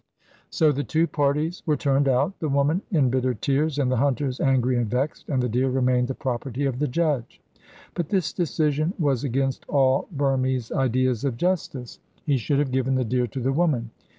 So the two parties were turned out, the woman in bitter tears, and the hunters angry and vexed, and the deer remained the property of the judge. But this decision was against all Burmese ideas of justice. He should have given the deer to the woman.